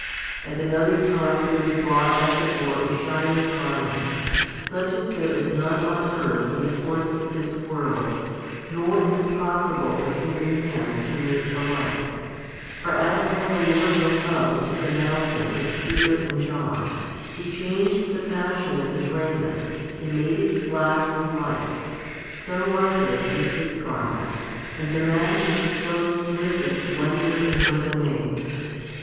At another time there was brought as it were a shining garment, such as there is none on earth in the course of this world, nor is it possible for human hands to make the like; for as when the Lord went up into the mountain with Peter and John, He changed the fashion of His raiment and made it to flash with light, so was it with this garment, and the man who was clothed with it wondered and was amazed.